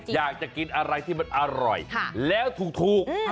อยากจะกินอะไรที่มันอร่อยแล้วถูก